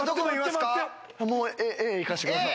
Ａ行かしてください。